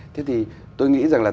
thế thì tôi nghĩ rằng là